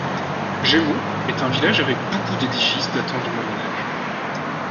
Gemeaux est un village avec beaucoup d'édifices datant du Moyen Âge.